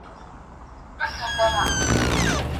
رنګین ګلونه پر ګرېوانه سول